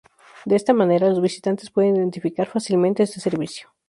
De esta manera, los visitantes pueden identificar fácilmente este servicio.